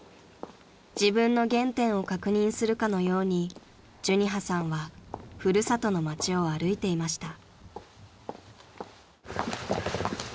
［自分の原点を確認するかのように寿仁葉さんはふるさとの街を歩いていました］